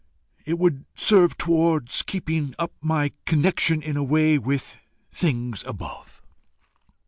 It would serve towards keeping up my connection in a way with THINGS ABOVE.